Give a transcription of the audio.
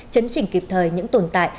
chấn chỉnh kịp thời những tồn tại